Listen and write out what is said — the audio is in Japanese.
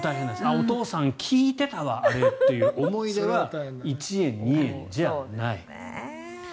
お父さん聴いてたわあれという思い出は１円２円じゃない。